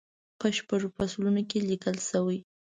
په شپږو فصلونو کې لیکل شوې.